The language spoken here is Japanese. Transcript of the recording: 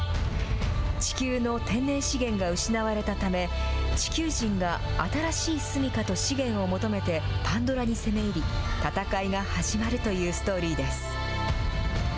地球の天然資源が失われたため、地球人が新しい住みかと資源を求めてパンドラに攻め入り、戦いが始まるというストーリーです。